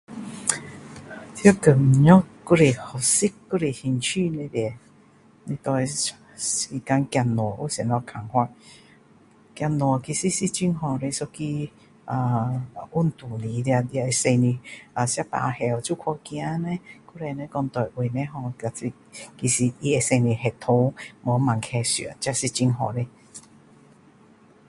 在工作还是学习还是兴趣里面对走路有什么看法走路其实是一个很好运动来的尤其是你吃饱后就去走路以前的人讲对胃不好但是也使你血糖没有那么快上这是很好的